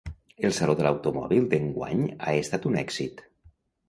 El saló de l'automòbil d'enguany ha estat un èxit.